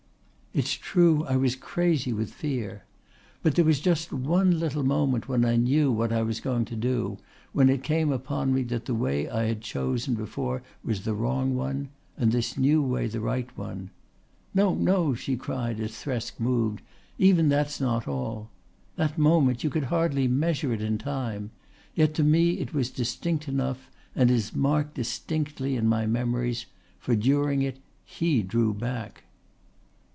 "It's true I was crazy with fear. But there was just one little moment when I knew what I was going to do, when it came upon me that the way I had chosen before was the wrong one, and this new way the right one. No, no," she cried as Thresk moved. "Even that's not all. That moment you could hardly measure it in time, yet to me it was distinct enough and is marked distinctly in my memories, for during it he drew back."